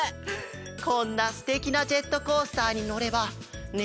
こんなすてきなジェットコースターにのればね